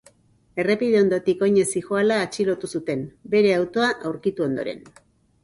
Errepide ondotik oinez zihoala atxilotu zuten, bere autoa aurkitu ondoren.